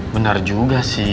bener juga sih